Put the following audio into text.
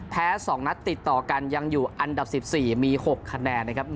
๒นัดติดต่อกันยังอยู่อันดับ๑๔มี๖คะแนนนะครับ